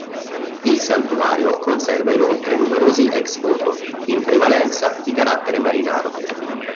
Il santuario conserva inoltre numerosi ex voto, in prevalenza di carattere marinaro.